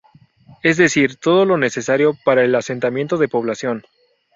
Es decir, todo lo necesario para el asentamiento de población.